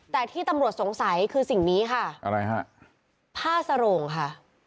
แต่ที่ตำรวจสงสัยคือสิ่งนี้ค่ะอะไรฮะผ้าสโรงค่ะ